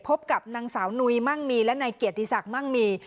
พบกับนางสาวนุยมั่งมีและนายเกียรติศักดิ์มั่งมี